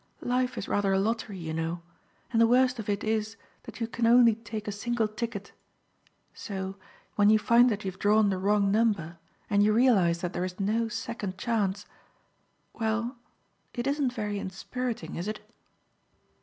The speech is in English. "Life is rather a lottery, you know, and the worst of it is that you can only take a single ticket. So, when you find that you've drawn the wrong number and you realize that there is no second chance well, it isn't very inspiriting, is it?"